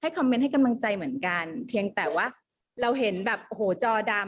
คอมเมนต์ให้กำลังใจเหมือนกันเพียงแต่ว่าเราเห็นแบบโอ้โหจอดำ